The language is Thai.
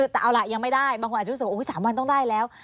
แต่เอาล่ะยังไม่ได้บางคนอาจจะรู้สึกว่า๓วันต้องได้แล้ว